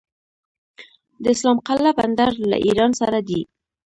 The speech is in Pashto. د اسلام قلعه بندر له ایران سره دی